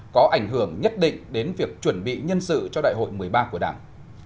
có ảnh hưởng nhất định đến việc chuẩn bị nhân sự cho đại hội một mươi ba của đảng